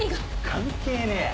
関係ねえ。